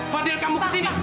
fadil kamu kesini